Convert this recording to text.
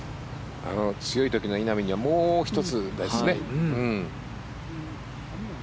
強い時の稲見にはもう１つですね。